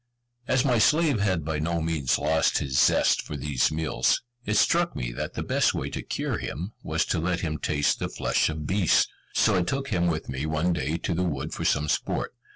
As my slave had by no means lost his zest for these meals, it struck me that the best way to cure him, was to let him taste the flesh of beasts; so I took him with me one day to the wood for some sport.